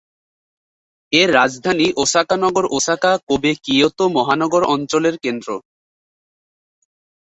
এর রাজধানী ওসাকা নগর ওসাকা-কোবে-কিয়োতো মহানগর অঞ্চলের কেন্দ্র।